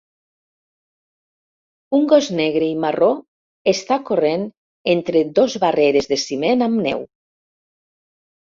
Un gos negre i marró està corrent entre dos barreres de ciment amb neu.